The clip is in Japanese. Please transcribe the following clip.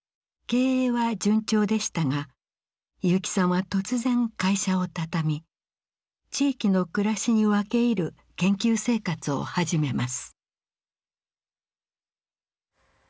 経営は順調でしたが結城さんは突然会社をたたみ地域の暮らしに分け入る研究生活を始めます。